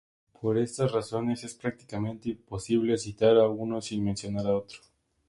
Por estas razones es prácticamente imposible citar a uno sin mencionar a otro.